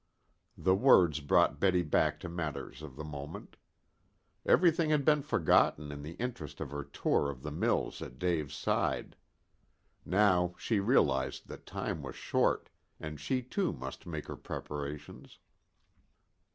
The words brought Betty back to matters of the moment. Everything had been forgotten in the interest of her tour of the mills at Dave's side. Now she realized that time was short, and she too must make her preparations.